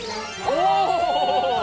お！